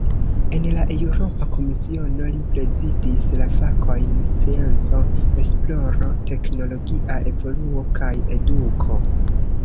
En la Eŭropa Komisiono, li prezidis la fakojn "scienco, esploro, teknologia evoluo kaj eduko".